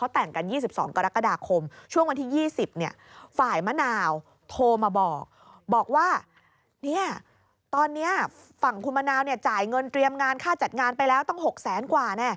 ฝั่งคุณมะนาวจ่ายเงินเตรียมงานค่าจัดงานไปแล้วต้อง๖๐๐๐๐๐กว่า